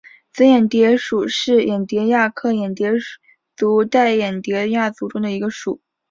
紫眼蝶属是眼蝶亚科眼蝶族黛眼蝶亚族中的一个属。